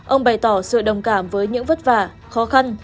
ông bày tỏ sự đồng cảm với những vất vả khó khăn